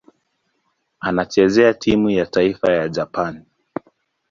Anachezea timu ya taifa ya Japani.